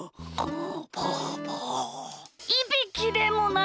いびきでもないよ！